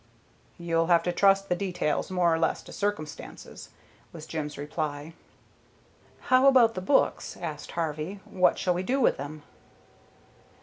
"You'll have to trust the details more or less to circumstances," was Jim's reply. "How about the books?" asked Harvey. "What shall we do with them?"